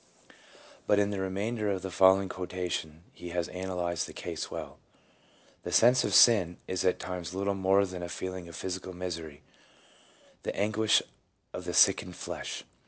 but in the remainder of the following quotation he has analyzed the case well :— "The sense of sin ... is at times little more than a feeling of physical misery, the anguish of the sickened flesh.